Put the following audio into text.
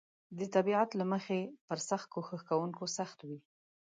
د طبیعت له مخې پر سخت کوښښ کونکو سخت وي.